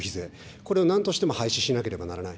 これをなんとしても廃止しなければならない。